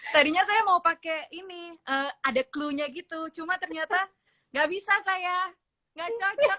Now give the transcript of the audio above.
tadinya saya mau pakai ini ada clue nya gitu cuma ternyata gak bisa saya nggak cocok